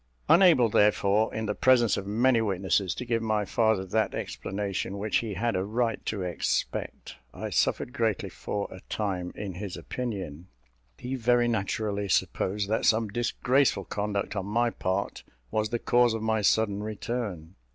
Unable, therefore, in the presence of many witnesses, to give my father that explanation which he had a right to expect, I suffered greatly for a time in his opinion. He very naturally supposed that some disgraceful conduct on my part was the cause of my sudden return.